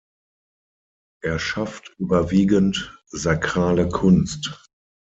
Er schafft überwiegend sakrale Kunst.